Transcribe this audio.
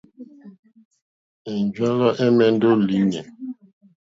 Ɛ̀njɔ́lɔ́ ɛ̀mɛ́ndɛ́ ó lìɲɛ̂.